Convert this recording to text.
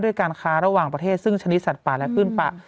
การค้าระหว่างประเทศซึ่งชนิดสัตว์ป่าและขึ้นป่า